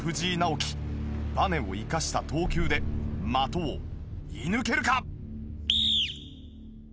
バネを生かした投球で的を射抜けるか！？